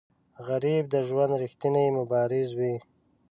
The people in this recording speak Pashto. غریب د ژوند ریښتینی مبارز وي